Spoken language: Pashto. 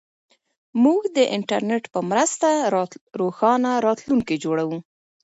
موږ د انټرنیټ په مرسته روښانه راتلونکی جوړوو.